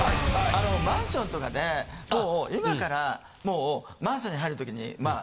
マンションとかでもう今からもうマンションに入る時にまあ